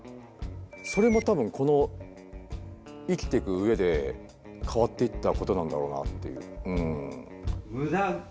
それも多分この生きてく上で変わっていったことなんだろうなっていう。